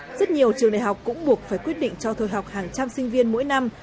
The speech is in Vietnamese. rất nhiều trường đại học cũng buộc phải quyết định cho thôi học hàng trăm sinh viên mỗi năm